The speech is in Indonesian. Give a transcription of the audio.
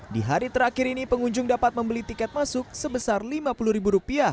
di hari terakhir ini pengunjung dapat membeli tiket masuk sebesar rp lima puluh